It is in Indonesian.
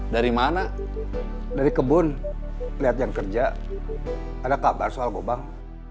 dari mana dari kebun lihat yang kerja ada kabar soal gobang